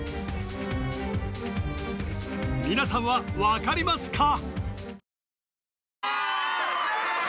皆さんは分かりますか？